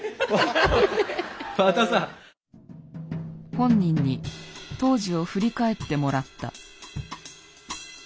本人に当時を振り返ってもらった。